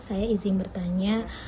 saya izin bertanya